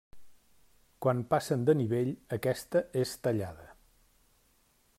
Quan passen de nivell, aquesta és tallada.